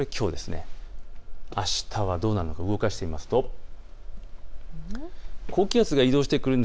あしたはどうなるのか動かしますと高気圧が移動してきます。